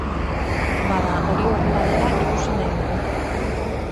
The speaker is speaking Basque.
Bada, hori horrela dela ikusi nahi dugu.